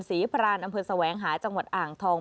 พรานอำเภอแสวงหาจังหวัดอ่างทอง